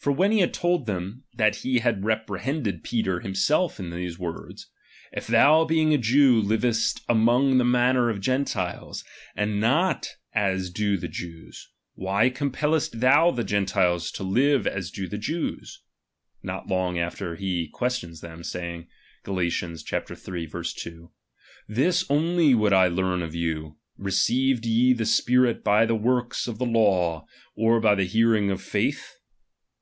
For wheu he had told them, that he had reprehended Peter himself in these words :■ If thou being a Jeiv, Ihest after the vumner of Gentiles, and not as do the Jews ; why compellest thou the Gentiles to live as do the Jews : not long after be questions them, saying {Gal. iii. 2) : This only would I learn of you : received ye the Spirit by tlie works of the law, or by the hearing of faith